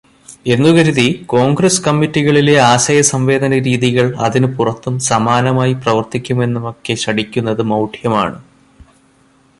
എന്നു കരുതി, കോൺഗ്രസ്സ് കമ്മിറ്റികളിലെ ആശയസംവേദനരീതികൾ അതിനു പുറത്തും സമാനമായി പ്രവർത്തിക്കുമെന്നൊക്കെ ശഠിക്കുന്നത് മൗഢ്യമാണ്.